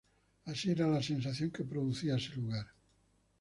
Así era la sensación que producía ese lugar".